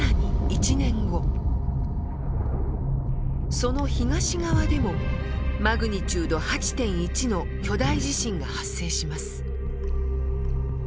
その東側でもマグニチュード８．１の巨大地震が発生します。